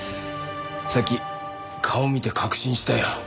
さっき顔見て確信したよ。